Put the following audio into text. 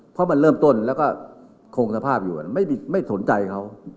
เพราะมันเริ่มต้นแล้วก็คงสภาพอยู่ไม่สนใจเขา